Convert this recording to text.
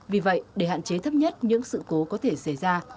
vì vậy để hạn chế thấp nhất những sự cố có thể xảy ra